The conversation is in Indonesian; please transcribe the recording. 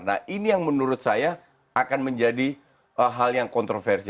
nah ini yang menurut saya akan menjadi hal yang kontroversial